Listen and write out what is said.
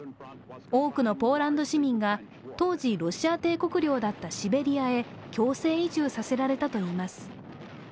多くのポーランド市民が当時ロシア帝国領だったシベリアへ強制移住させられたといいます。